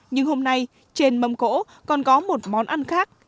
nhưng hôm nay trên mâm cỗ còn có một món ăn khác